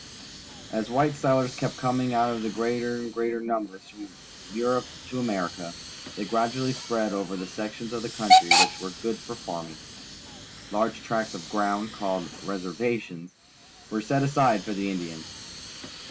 As white settlers kept coming out in greater and greater numbers from P^urope to America, they gradually spread over the sections of the country which were good for farming. Large tracts of ground, called "reservations," were set aside for the Indians.